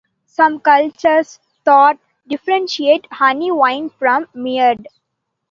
Some cultures, though, differentiate honey-wine from mead.